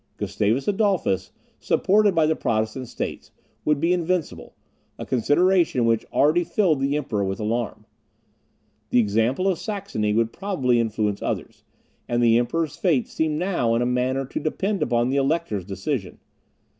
Gustavus Adolphus, supported by the Protestant states, would be invincible; a consideration which already filled the Emperor with alarm. The example of Saxony would probably influence others, and the Emperor's fate seemed now in a manner to depend upon the Elector's decision.